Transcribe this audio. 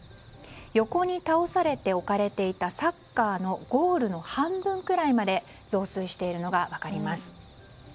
横に倒されて置かれていたサッカーのゴールの半分くらいまで増水しているのが分かります。